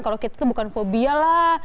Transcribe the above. kalau kita itu bukan fobia lah